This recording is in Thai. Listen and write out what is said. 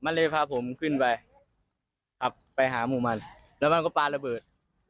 มันเลยพาผมขึ้นไปขับไปหาหมู่มันแล้วมันก็ปลาระเบิด